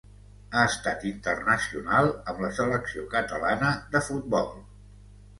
Ha estat internacional amb la selecció catalana de futbol.